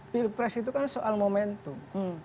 pilpres itu kan soal momentum